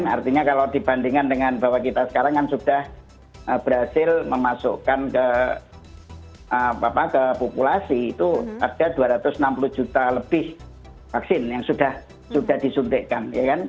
artinya kalau dibandingkan dengan bahwa kita sekarang kan sudah berhasil memasukkan ke populasi itu ada dua ratus enam puluh juta lebih vaksin yang sudah disuntikkan